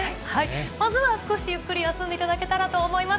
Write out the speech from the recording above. まずは少しゆっくり休んでいただけたらと思います。